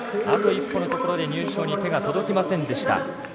あと一歩のところで入賞に手が届きませんでした。